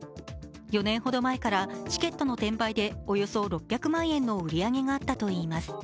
４年ほど前からチケットの転売でおよそ６００万円の売り上げがあったといいます。